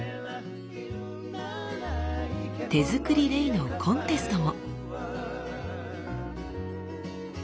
手作りレイのコンテストも。